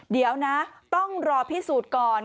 เดี๋ยวนะต้องรอพิสูจน์ก่อน